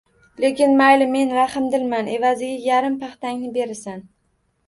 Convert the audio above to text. Lekin, mayli, men rahmdilman, evaziga yarim paxtangni berasan.